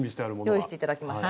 用意して頂きました。